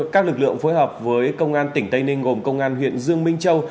các lực lượng phối hợp với công an tỉnh tây ninh gồm công an huyện dương minh châu